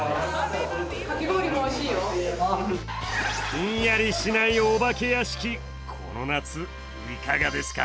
ひんやりしないお化け屋敷、この夏、いかがですか？